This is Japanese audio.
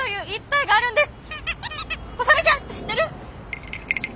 コサメちゃん知ってる！？